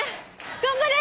頑張れ！